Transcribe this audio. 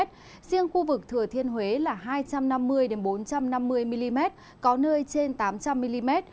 riêng khu vực thừa thiên huế là hai trăm năm mươi bốn trăm năm mươi mm có nơi trên tám trăm linh mm